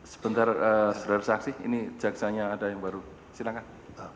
sebentar resaksi ini jaksanya ada yang baru silakan